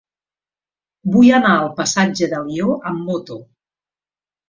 Vull anar al passatge d'Alió amb moto.